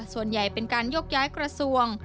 ส่วนใหญ่เป็นการยกย้ายกระทรวง